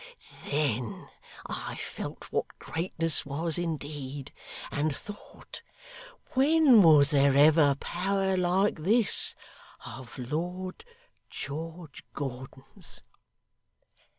then I felt what greatness was indeed, and thought, When was there ever power like this of Lord George Gordon's!